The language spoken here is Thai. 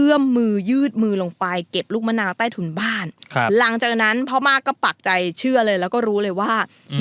มือยืดมือลงไปเก็บลูกมะนาวใต้ถุนบ้านครับหลังจากนั้นพ่อมากก็ปักใจเชื่อเลยแล้วก็รู้เลยว่า